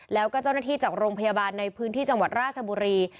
แล้วก็เจ้าหน้าที่จากโรงพยาบาลในพื้นที่จังหวัดราชบุรี